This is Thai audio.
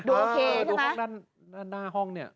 ดูโอเคใช่ไหมดูห้องด้านหน้าห้องนี่